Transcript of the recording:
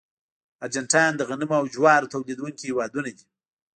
ارجنټاین د غنمو او جوارو تولیدونکي هېوادونه دي.